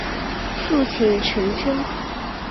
父亲陈贞。